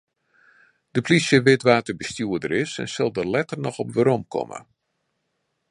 De polysje wit wa't de bestjoerder is en sil dêr letter noch op weromkomme.